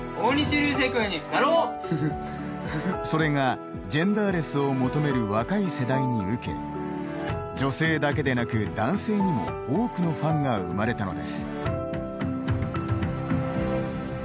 それがジェンダーレスを求める若い世代に受け女性だけでなく男性にも多くのファンが生まれたのです。